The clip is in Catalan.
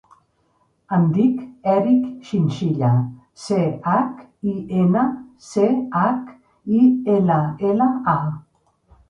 Em dic Eric Chinchilla: ce, hac, i, ena, ce, hac, i, ela, ela, a.